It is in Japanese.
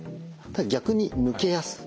逆に抜けやすい。